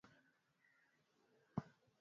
Damu yako natumai